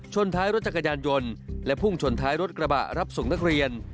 ท้ายรถจักรยานยนต์และพุ่งชนท้ายรถกระบะรับส่งนักเรียน